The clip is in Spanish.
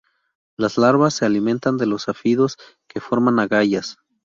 Las larvas se alimentan de los áfidos que forman agallas.